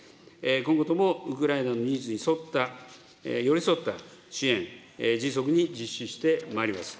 今後ともウクライナのニーズに沿った、寄り添った支援、迅速に実施してまいります。